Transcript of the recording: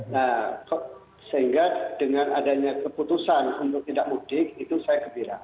nah sehingga dengan adanya keputusan untuk tidak mudik itu saya gembira